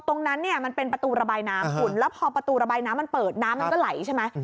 ตรงนั้นเนี่ยมันเป็นประตูระบายน้ำคุณแล้วพอประตูระบายน้ำมันเปิดน้ำมันก็ไหลใช่ไหม